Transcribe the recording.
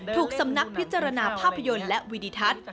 ถูกสำนักพิจารณาภาพยนตร์และวิดิทัศน์